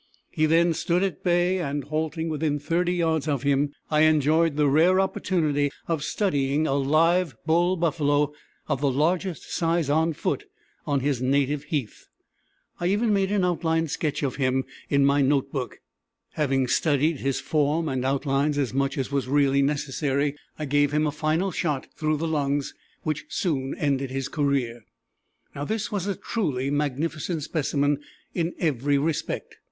He then stood at bay, and halting within 30 yards of him I enjoyed the rare opportunity of studying a live bull buffalo of the largest size on foot on his native heath. I even made an outline sketch of him in my note book. Having studied his form and outlines as much as was really necessary, I gave him a final shot through the lungs, which soon ended his career. This was a truly magnificent specimen in every respect.